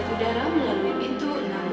terima kasih para penonton